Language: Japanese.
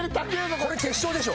これ決勝でしょ。